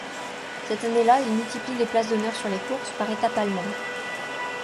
Cette année-là, il multiplie les places d'honneur sur les courses par étapes allemandes.